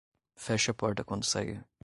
Feche a porta quando sair